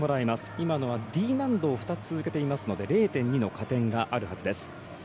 今のはＤ難度２つ続けているので０．２の加点があるはずです。